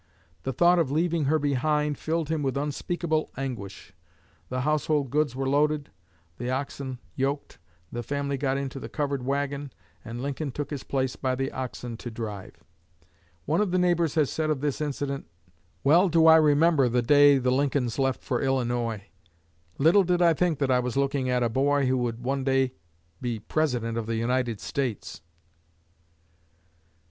The thought of leaving her behind filled him with unspeakable anguish. The household goods were loaded, the oxen yoked, the family got into the covered wagon, and Lincoln took his place by the oxen to drive. One of the neighbors has said of this incident: "Well do I remember the day the Lincolns left for Illinois. Little did I think that I was looking at a boy who would one day be President of the United States!"